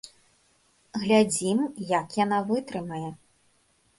Глядзім, як яна вытрымае.